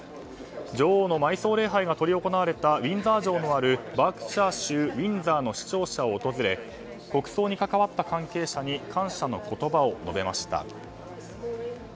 女王の埋葬礼拝が執り行われたウィンザー城のあるバークシャー州ウィンザーの市庁舎を訪れ国葬に関わった関係者に感謝の言葉を述べました。